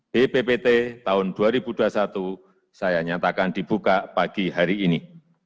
bppt tahun dua ribu dua puluh satu saya nyatakan dibuka pagi hari ini